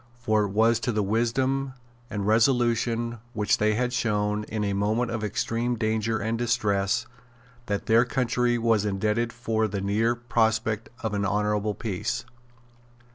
For it was to the wisdom and resolution which they had shown, in a moment of extreme danger and distress, that their country was indebted for the near prospect of an honourable peace.